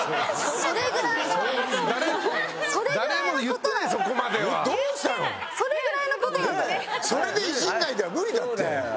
それで「いじらないで」は無理だって。